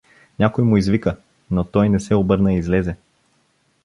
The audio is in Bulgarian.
Някой му извика, но той не се обърна и излезе.